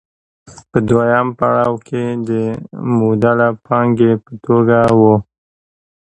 په دویم پړاو کې د مولده پانګې په توګه وه